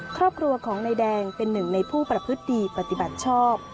ครอบครัวของนายแดงเป็นหนึ่งในผู้ประพฤติดีปฏิบัติชอบ